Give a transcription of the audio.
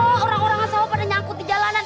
ya allah orang orang asal pada nyangkut di jalanan